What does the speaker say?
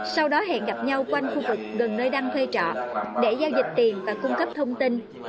sau đó hẹn gặp nhau quanh khu vực gần nơi đăng thuê trọ để giao dịch tiền và cung cấp thông tin